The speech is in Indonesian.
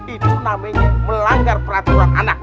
itu namanya melanggar peraturan anak